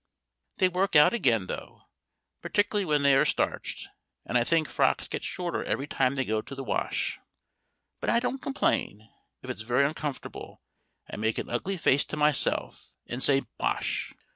They work out again though, particularly when they are starched, and I think frocks get shorter every time they go to the wash; But I don't complain; if it's very uncomfortable, I make an ugly face to myself, and say, "Bosh!"